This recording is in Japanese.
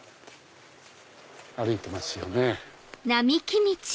歩いてますよね。